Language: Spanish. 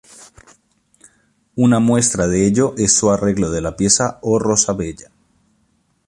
Una muestra de ello es su arreglo de la pieza "O rosa bella".